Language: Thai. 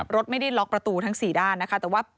รถไม่ได้ล็อกประตูทั้งสี่ด้านแต่ว่า